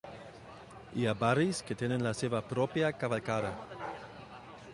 Hi ha barris que tenen la seva pròpia cavalcada.